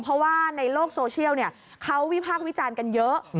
เพราะว่าในโลกโซเชียลเขาวิพากษ์วิจารณ์กันเยอะ